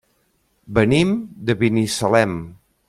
Venim de Binissalem.